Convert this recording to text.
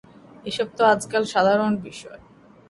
এসব তো আজকাল সাধারণ বিষয়।